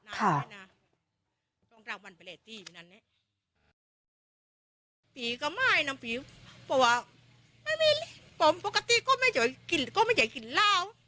ตามรอดก็เห็นว่าเขาไหวแล้ว